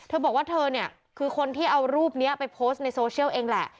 ถูกไม่ออกเธอบอกว่าคือคนที่เอารูปนี้ไปโปสต์ในโซเชียลเองแหละ